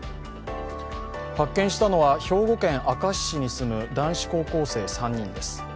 発見したのは兵庫県明石市に住む男子高校生３人です。